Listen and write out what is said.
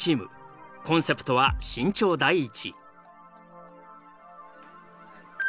コンセプトは「慎重第一」。